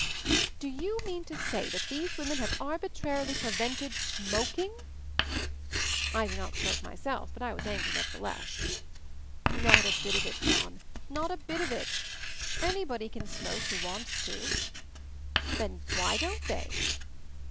"Do you mean to say that these women have arbitrarily prevented smoking?" I do 120 MOVING THE MOUNTAIN not smoke myself, but I was angry never theless. "Not a bit of it, John — not a bit of it. Anybody can smoke who wants to." "Then why don't they?"